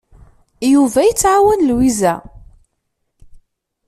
Yuba yettɛawan Lwiza.